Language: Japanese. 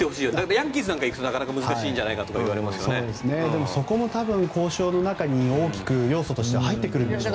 ヤンキースなんかに行くとなかなか難しいんじゃないかとでも、そこも多分交渉の中に大きく要素として入ってくるでしょうね。